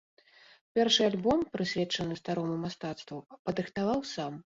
Першы альбом, прысвечаны старому мастацтву, падрыхтаваў сам.